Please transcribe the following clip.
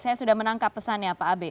saya sudah menangkap pesannya pak abe